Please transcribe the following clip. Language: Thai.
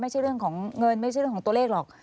ไม่ใช่เรื่องของเงินไม่ใช่เรื่องของตัวเลขหรอก